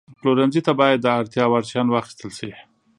پلورنځي ته باید د اړتیا وړ شیان واخیستل شي.